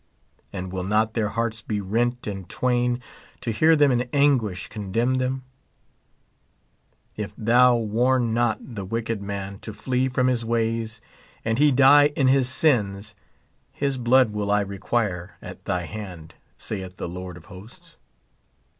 and will not their hearts be rent in twain to hear them in anguish condemn them ?" If tiiou warn not the wicked man to flee from his ways and he die in his sins, his blood will I require at thy hand, saith the Lord of hosts."